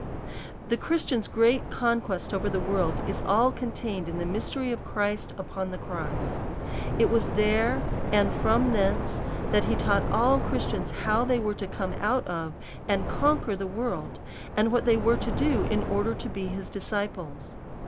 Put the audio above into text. The Christian's great conquest over the world, is all contained in the mystery of Christ upon the cross. It was there, and from thence, that he taught all Christians how they were to come out of, and conquer the world, and what they were to do in order to be ^24 A SERIOUS CALL TO A his disciples.